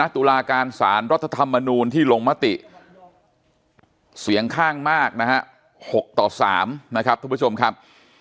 ตุลาการสารรัฐธรรมนูลที่ลงมติเสียงข้างมากนะฮะ๖ต่อ๓นะครับทุกผู้ชมครับ